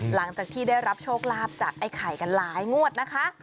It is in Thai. หลังจากที่ได้รับโชคลาภจากไอ้ไข่กันหลายงวดนะคะ